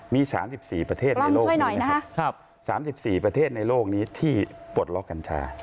มี๓๔ประเทศในโลกนี้นะครับ๓๔ประเทศในโลกนี้ที่ปลดล็อกกัญชา